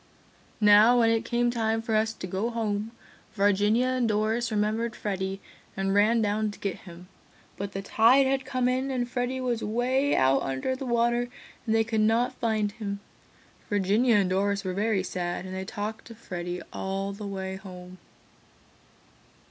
"Now when it came time for us to go home, Virginia and Doris remembered Freddy and ran down to get him, but the tide had come in and Freddy was 'way out under the water and they could not find him. Virginia and Doris were very sad and they talked of Freddy all the way home."